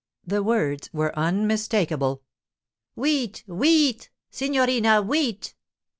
The words were unmistakable. 'Wheat! Wheat! Signorina Wheat!